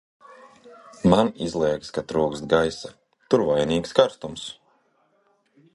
Man izliekas, ka trūkst gaisa – tur vainīgs karstums.